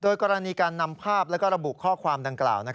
กรณีการนำภาพและระบุข้อความดังกล่าว